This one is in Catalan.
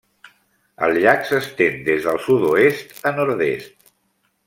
El llac s'estén des del sud-oest a nord-est.